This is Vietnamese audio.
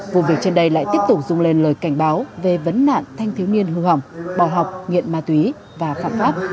vụ việc trên đây lại tiếp tục dung lên lời cảnh báo về vấn nạn thanh thiếu niên hư hỏng bỏ học nghiện ma túy và phạm pháp